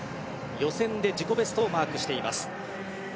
予選で自己ベストをマークしています。